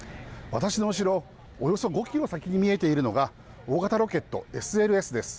私の後ろ、およそ５キロ先に見えているのが大型ロケットＳＬＳです。